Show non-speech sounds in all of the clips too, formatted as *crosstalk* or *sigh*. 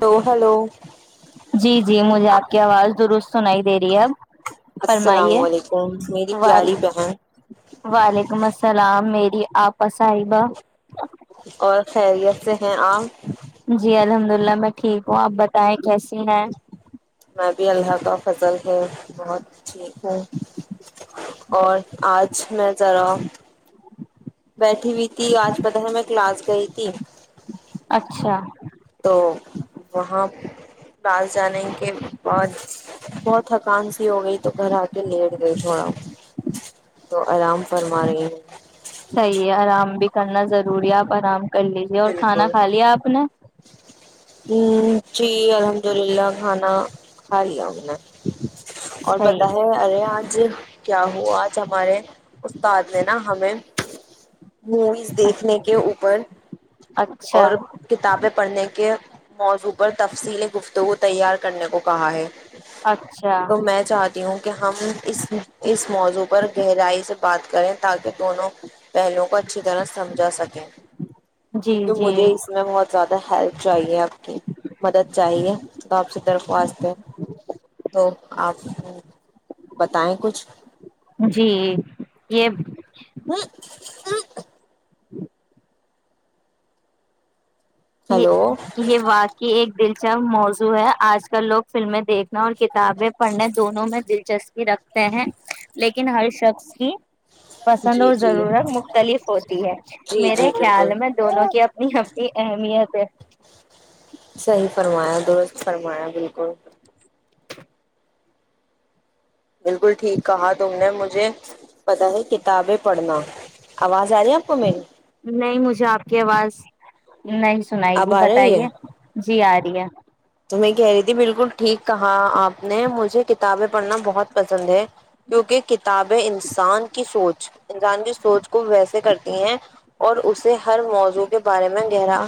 hello hello جی جی مجھے آپ کی آواز درست سنائی دے رہی ہے اب السلام فرمائیے علیکم میری وال پیاری بہن وعلیکم السلام میری آپسحبا *unintelligible* اور خیری ای سے *unintelligible* جی الحمد للہ اللہ میں ٹھیک ہوں آپ بتائیں کیسی ہیں *unintelligible* میں بھی اللہ کا فضل ہے بہت ٹھیک ہوں اور آج میں جا رہا ہ بیٹھی ہوئی تھی آج پتہ ہے میں کلاس گئی تھی اچھا پاس جانے کے بعد بہت تھکان سی ہو گئی تو گھر آ کے لیٹ گئی تھوڑا تو آرام فرما رہی ہوں صحیح ہے آرام بھی کرنا ضروری ہے آپ آرام کر لیجے اور کھانا بالکل ہ کھا لیا آپ نے جی الحمد للہ کھانا کھا لیا ہم نے اور پتا صحیح ہے ارے آج کیا ہو آج ہمارے استاد نے نا ہمیں موویز دیکھنے کے اوپر اچھا اور کتابیں پڑھنے کے موضوع پر تفصیل گفتگو تیار کرنے کو کہا ہے اچھا تو میں چاہتی ہوں کہ ہم اس اس موضوع پر گہرائی سے بات کریں تاکہ دونوں پہلو کو اچھی طرح سمجھا سکیں جی کیونکہ جی مجھے اس میں مت زدہ ہیلپ چاہیے مدد چاہیے تو آپ سے درخواست ہے تو اپ بتائیں کچھ جی یہ ہ ہ یہ ہیلو یہ واقع ایک دلچپ موضوع ہے آج کل لوگ فلمیں دیکھنا اور کتابیں پڑھنے دونوں میں دلچسپی رکھتے ہیں لیکن ہر شخص کی پسند جی اور جی ضرورت مختلف ہوتی ہے جی جی میرے بالکل خیال میں دونوں کی نہیں ہی د نہیں یہ سے صحیح فرمایا درست فرمایا بالکل بالکل ٹھیک کہا تم نے مجھے پتا ہے کتابیں پڑھنا آواز آ رہی ہے آپ کو میری نہیں مجھے آپ کی آواز نہیں سنائی اب تھی آ رہی ہے بتائیے جی آ رہی ہے میں کہہ رہی تھی بالکل ٹھیک کہا آپ نے مجھے کتابیں پڑھنا بہت پسند ہے کیونکہ کتابیں انسان کی سوچ انسان کی سوچ کو ویسے کرتی ہیں اور اسے ہر موضوع کے بارے میں گہرا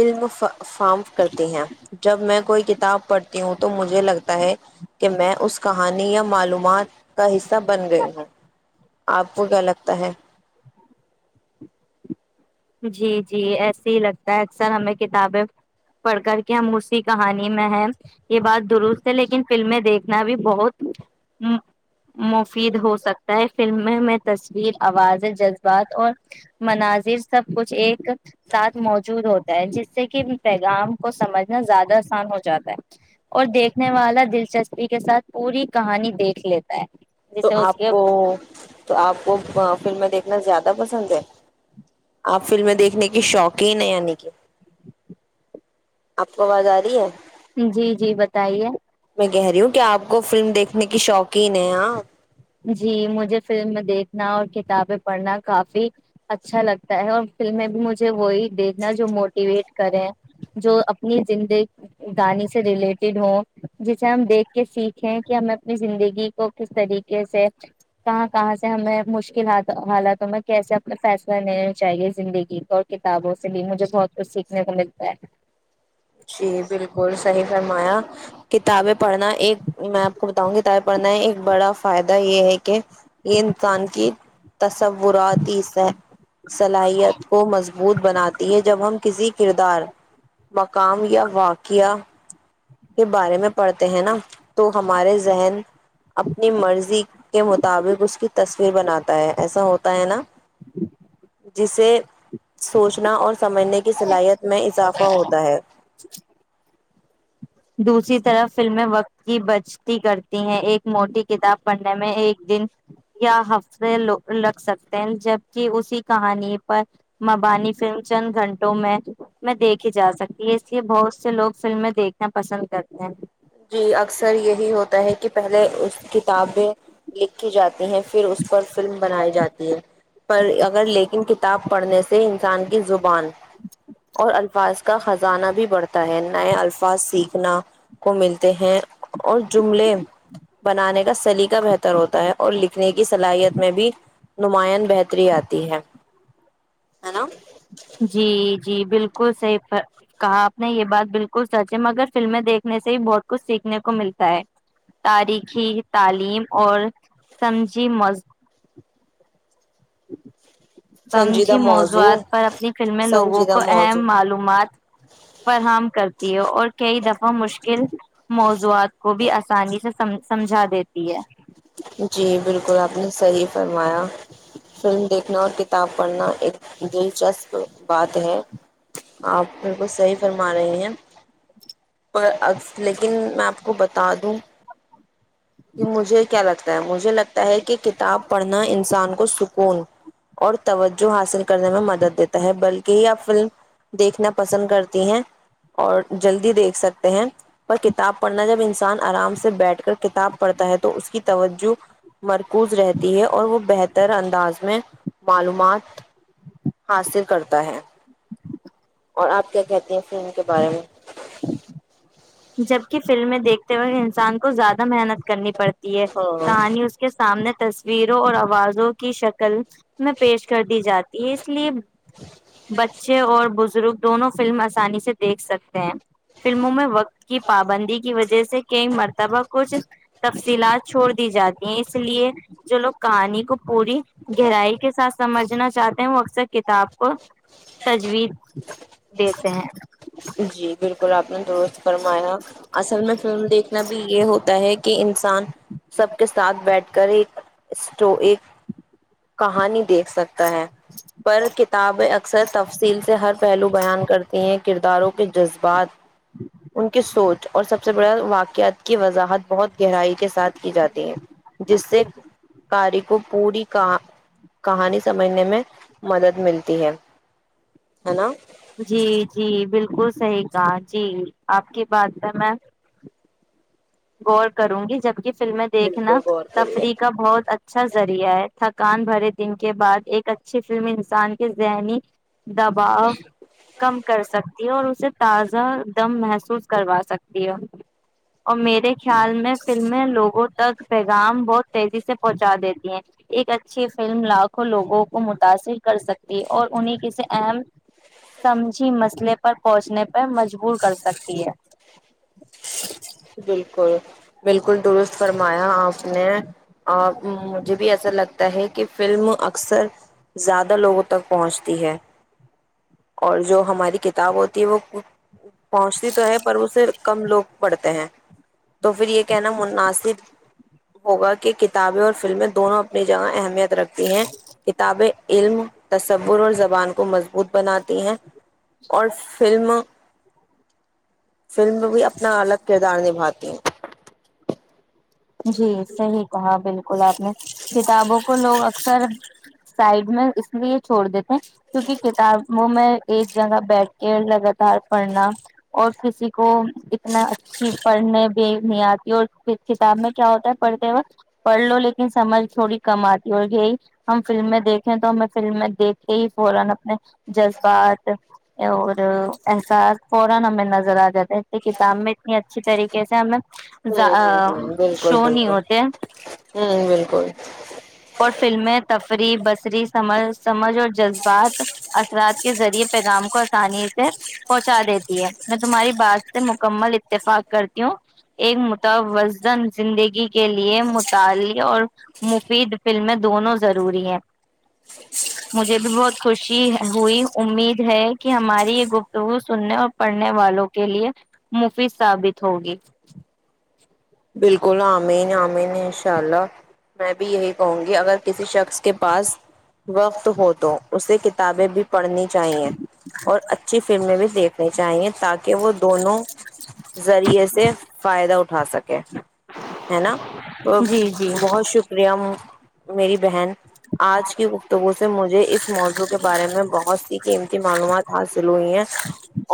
علم فم کرتی ہیں جب میں کوئی کتاب پڑھتی ہوں تو مجھے لگتا ہے کہ میں اس کہانی یا معلومات کا حصہ بن گئی ہوں آپ کو کیا لگتا ہے جی جی ایسے ہی لگتا ہے اکثر ہمیں کتابیں پڑھ کر کے ہم اسی کہانی میں ہیں یہ بات درست ہے لیکن فلمیں دیکھنا بھی بہت مفید ہو سکتا ہے فلمیں میں تصویر آوازیں جذبات اور مناظر سب کچھ ایک ساتھ موجود ہوتا ہے جس سے کہ پیغام کو سمجھنا زیادہ آسان ہو جاتا ہے اور دیکھنے والا دلچسپی کے ساتھ پوری کہانی دیکھ لیتا ہے تو جیسے اس آپ کے کو تو آپ کو فلمیں دیکھنا زیادہ پسند ہے آپ فلمیں دیکھنے کے شوق ہی ہیں یعنی کہ آپ کو آواز آ رہی ہے جی جی بتائیے میں کہہ رہی ہوں کہ آپ کو فلم دیکھنے کی شوق کینے آ جی مجھے فلم دیکھنا اور کتابیں پڑھنا کافی اچھا لگتا ہے اور فلم میں بھی مجھے وہی دیکنا جو موٹیویٹ کریں جو اپنی زند گانی سے ریلیٹڈ ہ جسے ہم دیکھ کے سیکھیں کہ ہمیں اپنی زندگی کو کس طریقے سے کہاں کہاں سے ہمیں مشکل حالاتوں میں کیسے اپنا فیصلہ لینا چاہیے زندگی کو اور کتابوں سے بھی مجھے بہت کچھ سیکھنے کو ملتا ہے جی بالکل صحی فرمایا کتابیں پڑھنا ایک میں آپ کو بتاؤں گ کتابیں پڑھنا ایک بڑا فائدہ یہ ہے کہ یہ انسان کی تصوراتی صلاحیت کو مضبوط بناتی ہیں جب ہم کسی کردار م یا واقعہ ہ کے بارے میں پڑھتے ہیں نا تو ہمارے ذہن اپنی مرضی کے مطابق اس کی تصویر بناتا ہے ایسا ہوتا ہے نا ج جسے سوچنا اور سمجھنے کی صلاحیت میں اضافہ ہوتا ہے دوسری طرف فلمیں وقت کی بچتی کرتی ہیں ایک موٹی کتاب پڑھنے میں ایک دن یا ہفتے لگ سکتے ہیں جبک اسی کہانی پر مبانی فلم چند گھنٹوں میں میں دیکھی جا سکتی ہے اس لیے بہت سے لوگ فلمیں دیکھ پسند کرتے ہیں جی اکثر یہی ہوتا ہے کہ پہلے اس کتاب میں ل کی جاتی ہیں پھر اس پر فلم بنائی جاتی ہے پر اگر لیکن کتاب پڑھنے سے انسان کی زبان اور الفاظ کا خزانہ بھی بڑھتا ہے نئے الفا بس سیکھنا کو ملتے ہیں اور جملے بنانے کا سلیقہ بہتر ہوتا ہے اور ل سکھنے کی صلاحیت میں بھی نماند بہتری آتی ہے نا جی جی بالکل صحیح کہا آپ نے یہ بات بالکل سچ ہے مگر فلمیں دیکھنے سے ہی بہت کچھ سیکھنے کو ملتا ہے تاریخی تعلیم اور سمجھی مز سمجھی سنجیدہ موضوع موضوعات پر فلمیں لوگوں سنجیدہ کو موضوع اہم معلومات فراہم کر اور کئی دفعہ مشکل موضوعات کو بھی آسانی سےم سمجھا دیتی ہے جی بالکل آپ نے صحیح فرمایا فلم دیکھنا اور کتاب پڑھنا ایک دلچسپ بات ہے آپ بالکل صحیح فرما رہی ہیں پر ا لیکن میں آپ کو بتا دوں یہ مجھے کہ کتاب پڑھنا انسان کو سکون اور توجہ حاصل کرنے میں مدد دیتا ہے بلکہ ہی آب فلم دیکھنا پسند کرتی ہیں اور جلدی دیکھ سکتے ہیں پر کتاب پڑھنا جب انسان آرام سے بیٹھ کر کتاب پڑھتا ہے تو اس کی توجہ مرکوز رہتی ہے اور وہ بہتر انداز میں معلومات حاصل کرتا ہے اور آپ کیا کہتے ہیں ف ان کے بارے میں جبک فلمیں دیکھتے وقت انسان کو زیادہ محنت کرنی پڑتی ہاں کہانی اس کے سامنے تصویروں اور آوازوں کی شکل میں پیش کر دی جاتی ہے اس لیے بچے اور بز ر دونوں فلم آسانی سے دیکھ سکتے ہیں فلموں میں وقت کی پابندی کی وجہ سے سے کہئی مرتبہ کچھ تفصیلات چھوڑ دی جاتی ہیں اس لیے جو لوگ کہانی کو پوری گہرائی کے ساتھ سمجھنا چاہتے ہیں وہ سر کتاب کو تجویز دیتے ہیں جی بالکلپ آپ نے درست فرمایا اصل میں فلم دیکھنا بھی یہ ہوتا ہے کہ انسان سب کے ساتھ بیٹھ کر ایک اسٹو ایک کہانی دیکھ سکتا ہے پر کتابیں اکثر تفصیل سے ہر پہلو بیان کرتی ہیں کرداروں کو کے جذبات ان کی سوچ اور سب سے بڑا واقعات کی وضاحت بہت گہرائی کے ساتھ کی جاتی ہے جس سے کاری کو پوری کہہا کہانی سمجھنے میں مدد ملتی ہے ہے نا جی جی بالکل صحیح کہا جی آپ کی بات ہے میں غور کروں گی جبک فلمیں دیکھنا بالکل غور کریے تفریح کا بہت اچھا اچھا ذریعہ ہے تھکان بھرے دن کے بعد ایک اچھی فلم انسان کے ذہنی دباؤ کم کر سکتے اور اسے تازہ دم محسوس کروا سکتی ہو اور میرے خیال میں پھر میں لوگوں تک پیغام بہت تیزی سے پہنچا دیتی ہیں ایک اچھی فلم لاکھوں لوگوں کو متاثر کر سکتی ہے اور انہیں کسی اہم سمجھی مسئلے پر پہنچنے پر مجبور کر سکتی ہے بالکل بالکل درست فرمایا آپ نے آ مجھے بھی ایسا لگتا ہے کہ فلم اکثر زیادہ لوگوں تک پہنچتی ہے اور جو ہماری کتاب ہوتی ہے وہ پہنچتی تو ہے پر اسے کم لوگ بڑتے ہیں تو پھر یہ کہنا مناسب ہوگا کہ کتابیں اور فلمیں دونوں اپنی جگہ اہمیت رکھتی ہیں کتابیں علم تصور اور زبان کو مضبوط بناتی ہیں اور فلم فلم بھی اپنا الگ کردار نبھاتی ہے جی صحی کہا بالکل گلاپ نے کتابوں کو لوگ اکثر سائڈ میں اس لیے چھوڑ دیتے کیونکہ کتابوں میں ایک جگہ بیٹھ کے لگاتار پڑھنا اور کسی کو اتنا اچھی پڑھنے بھی نہیں آتی اور کتاب میں کیا ہوتا ہے پڑتے وقت پڑ لو لیکن سمجھ تھوڑی کم آتی اور یہی ہم فلمیں دیکھنے تو ہمیں فلمیں دیکھتے ہی فورن اپنے جذبات اور احساس فورن ہمیں نظر آجاتے ہیں کتاب میں اتنی اچھی طریقہے سے ہمیں *unintelligible* بالکل شو نہیں ہوتے ہیں ہوں بالکل اور فلمیں تفریح بصری سمج سمجھ اور جذبات اثرات کے ذریعے پیغام کو آسانی سے پہنچا دیتی ہے میں تمہاری بات سے مکمل اتفاق کرتی ہوں ایک متون زندگی کے لیے مطع اور مفید فلمیں دونوں ضروری ہیں مجھے بھی بہت خوشی ہوئی امید ہے کہ ہماری یہ گفتگو سننے اور پڑھنے والوں کے لیے مفید ثابت ہوگی بالکل آمین آمین ان شاء اللہ میں بھی یہی کہوں گی اگر کسی شخص کے پاس وقت ہو تو اسے کتابیں بھی پڑھنی چاہیے اور اچھی فلمیں بھی دیکھ نہیں چاہیے *unintelligible* تاکہ وہ دونوں ذریعے سے فائدہ اٹھا سکے ہے نا جی جی بہت شکریہ میری بہن آج کی گفتگو سے مجھے اس موضوع کے بارے میں بہت سی قیمت معلومات حاصل ہوئی ہیں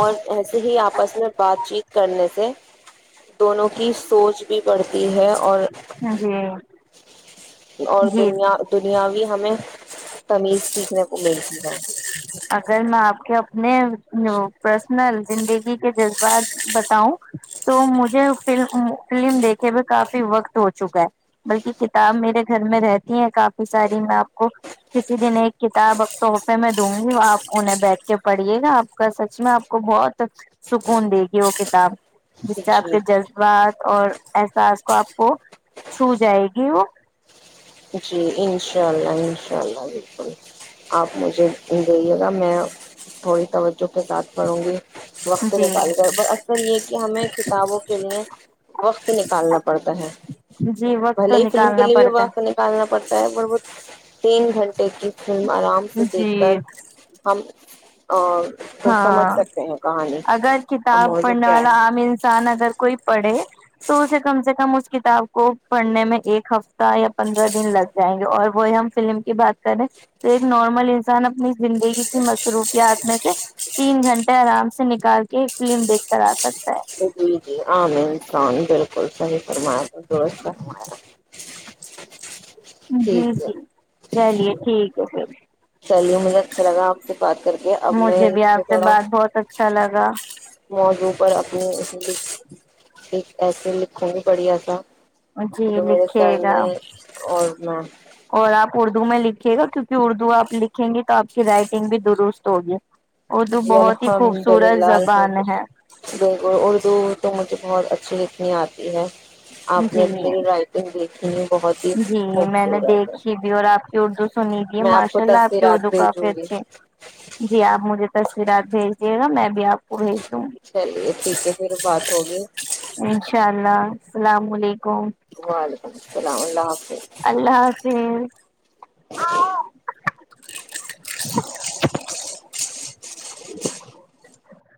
اور ایسے ہی آپس میں بات چیت کرنے سے دونوں کی سوچ بھی پڑتی ہے اور *unintelligible* جی اور جی دنیا دنیا بھی ہمیں تمیز سیکھنے کو ملتی ہے اگر میں آپ کے اپنے پرسنل زندگی کے جذبات بتاؤں تو مجھے ف فلم دیکھے میں کافی وقت ہو چکا ہے بلکہ کتاب میرے گھر میں رہتی ہے کافی ساری میں آپ کو کسی دن ایک کتاب اب تحفے میں دوں ج آپ انہیں بیٹھ کے پڑھیے گا آپ کا سچ میں آپ کو بہت سکون دے گی وہ کتاب جس سے آپ کے جی جذبات اور احساس کو آپ کو چھو جائے گی وہ اناء اللہ بالکل آپ مجھے دیئیے گا میں تھوڑی توجہ کے ساتھ پڑھوں گی وقت جی نکال کر پر اکثر یہ کہ ہمیں کتابوں کے لیے وقت نکالنا پڑتا ہے جی وقت بھلے تو ہی فلم کے نکالنا لیے بھی پڑتا وقت نکالنا پڑتا ہے ببہت تین گھنٹ *unintelligible* کی فلم آرام سے ہے دیکھ کر جی ہم تو سمجھ ہاں سکتے ہیں کہانی اگر کا کتاب موضوع پڑھنے کیا والا ہے عام انسان اگر کوئی پڑھے تو اسے کم سے کم اس کتاب کو پڑھنے میں ایک ہفتے س یا پندرہ دن لگ جائیں گے اور وہ ہم فلم کی بات کریں تو ایک نارمل انسان اپنی زندگی کی مصروفیات *unintelligible* تین گھنٹے آرام سے نکال کے ایک فلم دیکھ کر آ سک جی جی آم انسان بالک کوس ہی فرمیاا تھا د فمیاا جی جی چلیے ٹھیک ا چلیے مجھے اچھا لگا آپ سے بات کر کے اب میں اس پہ تھوڑا ا موضوع پر اپنی اس ایک ایسے لکھوں میں پڑھیاسا جی لکھیے گا اور میں اور آپ اردو میں لکھھیے گا کیوںکہ اردو آپ لکھیں گی تو آپ کی رائٹنگ بھی درست ہوگی اردو جی بہت ہی الحمد خوبصورت للہ زبان الحمد ہے ب اردو ا مج بہت اچھی لکھنی آتی ہے آپ نے جی اب میری رائٹنگ دیکھی ہے بہت ہی جی میں نے خوبصورت ہے دیکھیھی بھی اور آپ کی اردو سنی دی ہے میں کو ماشاء اللہ آپ کی تصویرات اردو بھیجوں کافی گی اچھی ہے جی آپ مجھے ت پھر رات بھیجے گا میں بھی آپ کو بھیج دوں گی چلیے ٹھیک ہے پھر بات ہوگئی انشاء اللہ السلام علیکم وعلیکم السلام حافظ اللہ حافظ *unintelligible*